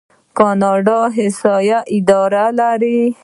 کاناډا د احصایې اداره لري.